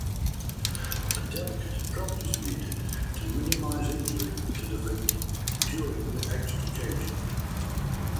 A delicate approach is needed to minimize injury to the victim during the extrication.